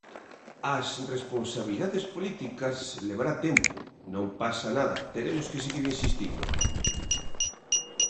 As responsabilidades políticas levará tempo, non pasa nada, teremos que seguir insistindo.